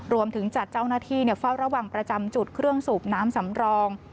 จัดเจ้าหน้าที่เฝ้าระวังประจำจุดเครื่องสูบน้ำสำรอง